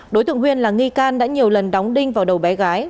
đối tượng huyên là nghi can đã nhiều lần đóng đinh vào đầu bé gái